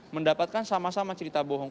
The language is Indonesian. mendapatkan sama sama cerita bohong